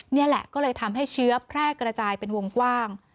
นี่แหละก็เลยทำให้เชื้อแพร่กระจายเป็นวงกว้าง